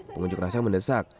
pengunjung rasa mendesak